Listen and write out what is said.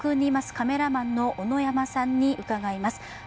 カメラマンの小野山さんに聞きます。